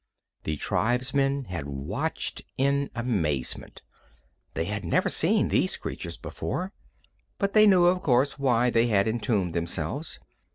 The tribesmen had watched in amazement. They had never seen these creatures before, but they knew, of course, why they had entombed themselves.